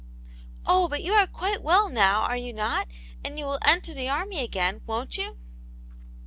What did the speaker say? '*0h, but you are quite well now, are you not, and you will enter the army again, won't you